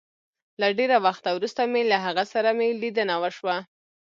له ډېره وخته وروسته مي له هغه سره مي ليدنه وشوه